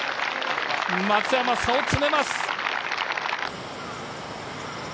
松山、差を詰めます。